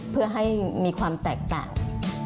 เพื่อให้มีความแตกต่าง